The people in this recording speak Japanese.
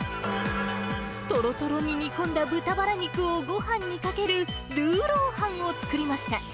とろとろに煮込んだ豚バラ肉をごはんにかけるルーロー飯を作りました。